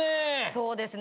そうですね。